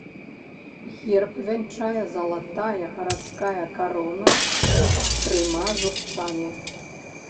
Герб вянчае залатая гарадская карона з трыма зубцамі.